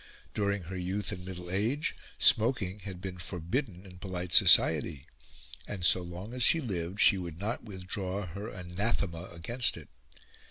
During her youth and middle age smoking had been forbidden in polite society, and so long as she lived she would not withdraw her anathema against it.